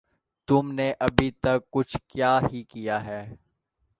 تم نے ابھے تک کچھ کیا ہی کیا ہے